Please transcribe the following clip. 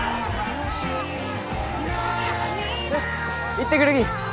行ってくるき。